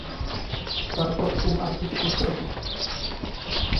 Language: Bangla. তারপর ও আর কিছু করেছে নাকি?